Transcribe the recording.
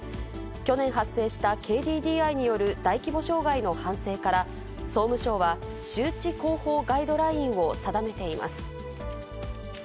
去年発生したＫＤＤＩによる大規模障害の反省から、総務省は周知広報ガイドラインを定めています。